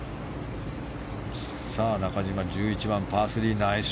さあ中島、１１番、パー３。